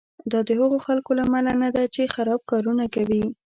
دا د هغو خلکو له امله نه ده چې خراب کارونه کوي.